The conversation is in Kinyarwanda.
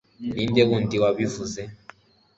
ninde wundi wabivuze